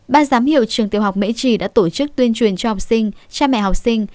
ba giám hiệu trường tiểu học mễ trì đã tổ chức tuyên truyền cho học sinh cha mẹ học sinh